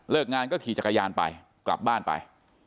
งานก็ขี่จักรยานไปกลับบ้านไป